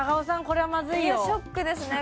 これはまずいよいやショックですね